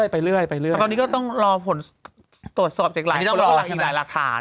ไปเรื่อยไปลืมต้องรอผลตรวจสอบอีกหลายตอนนี้อีกหลายหลักฐาน